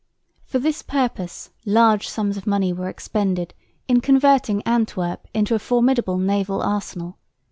For this purpose large sums of money were expended in converting Antwerp into a formidable naval arsenal.